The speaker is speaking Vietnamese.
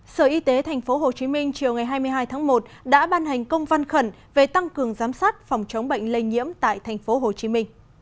sở y tế tp hcm chiều ngày hai mươi hai tháng một đã ban hành công văn khẩn về tăng cường giám sát phòng chống bệnh lây nhiễm tại tp hcm